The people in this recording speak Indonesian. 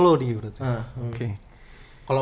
khusus di bangkong solo